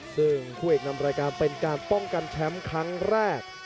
ซึ่งคู่เอกนำรายการเป็นการป้องกันแชมป์ครั้งแรก